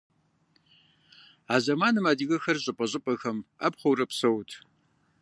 А зэманым адыгэхэр щӀыпӀэ-щӀыпӀэхэм Ӏэпхъуэурэ псэут.